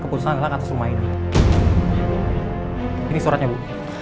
keputusan adalah atas rumah ini ini suratnya bu